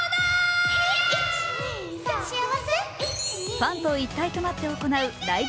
ファンと一体となって行うライブ